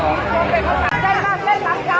ก็ไม่มีเวลาให้กลับมาเท่าไหร่